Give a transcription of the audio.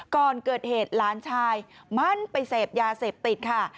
ก่อนเกิดเหตุหลานชายมั่นไปเสพยาเสพติดค่ะ